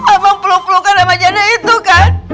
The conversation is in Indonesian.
abang peluk pelukan sama jana itu kan